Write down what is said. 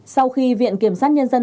sau khi viện kiểm sát nhân dân